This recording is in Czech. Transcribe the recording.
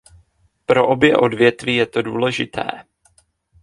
Pro obě odvětví je to důležité.